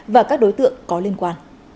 và các đối tượng có hiệu quả